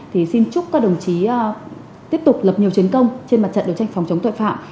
thì xin chúc các đồng chí tiếp tục lập nhiều chiến công trên mặt trận đấu tranh phòng chống tội phạm